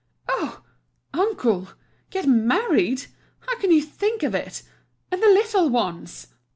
"Oh! uncle—get married! How can you think of it? And the little ones!"